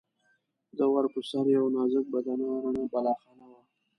د ور پر سر یوه نازک بدنه رڼه بالاخانه وه.